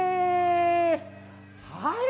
はい。